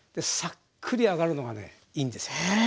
さっくり揚がるのがねいいんですよ。